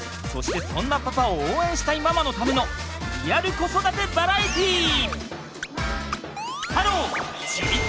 そしてそんなパパを応援したいママのためのリアル子育てバラエティー！